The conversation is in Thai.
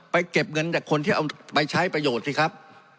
เก็บเงินจากคนที่เอาไปใช้ประโยชน์สิครับ